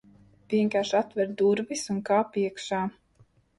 Vienkārši atver durvis, un kāp iekšā.